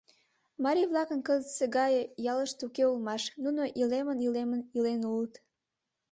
Марий-влакын кызытсе гае ялышт уке улмаш, нуно илемын-илемын илен улыт.